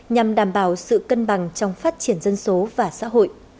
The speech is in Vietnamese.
nhằm đảm bảo sự cân bằng trong phát triển dân số và xã hội